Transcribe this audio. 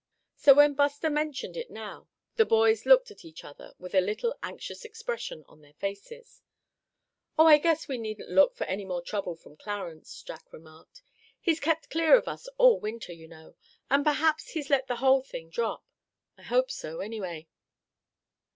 So when Buster mentioned it now, the boys looked at each other, with a little anxious expression on their faces. "Oh! I guess we needn't look for any more trouble from Clarence," Jack remarked. "He's kept clear of us all winter, you know; and perhaps he's let the whole thing drop. I hope so, anyway."